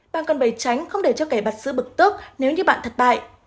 bạn cần phải tránh không để cho kẻ bắt xứ bực tức nếu như bạn thất bại